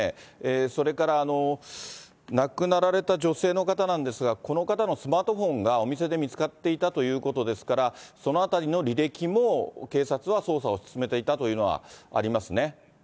それから亡くなられた女性の方なんですが、この方のスマートフォンが、お店で見つかっていたということですから、そのあたりの履歴も、警察は捜査を進めていたというのはありますね。